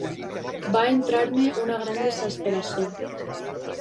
Va entrar-me una gran desesperació.